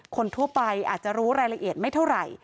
คนทั่วไปอาจจะรู้รายละเอียดไม่เท่าไหร่